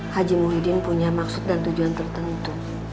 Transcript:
haji muhyiddin punya maksud dan tujuan tertentu